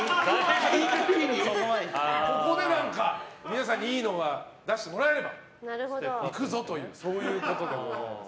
ここで、皆さんにいいものが出してもらえればいくぞということでございます。